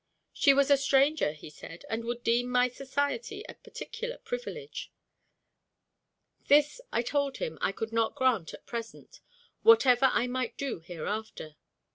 "She was a stranger," he said, "and would deem my society a particular privilege." This, I told him, I could not grant at present, whatever I might do hereafter.